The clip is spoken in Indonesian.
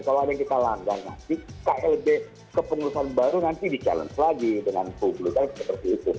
kalau ada yang kita landai nanti klb kepengurusan baru nanti di challenge lagi dengan publik seperti itu